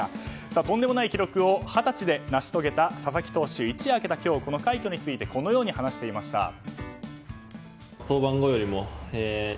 とんでもない記録を二十歳で成し遂げた佐々木投手、一夜明けた今日この快挙についてこのように話していました。